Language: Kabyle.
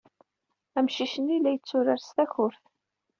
Amcic-nni la yetturar s takurt.